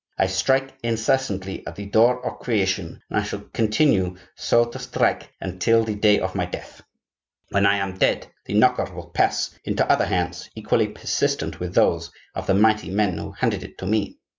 I strike incessantly at the door of creation, and I shall continue so to strike until the day of my death. When I am dead the knocker will pass into other hands equally persistent with those of the mighty men who handed it to me.